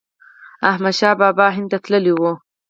احمد شاه بابا هند ته تللی و.